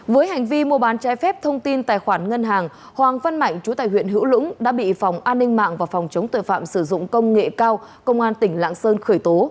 với hành vi mua bán trái phép thông tin tài khoản ngân hàng hoàng văn mạnh chú tại huyện hữu lũng đã bị phòng an ninh mạng và phòng chống tội phạm sử dụng công nghệ cao công an tỉnh lạng sơn khởi tố